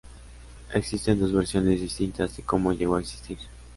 Existen dos versiones distintas de cómo llegó a existir.